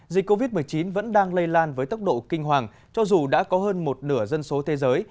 dịch covid một mươi chín vẫn đang lây lan với tốc độ kinh hoàng cho dù đã có hơn một nửa dân số thế giới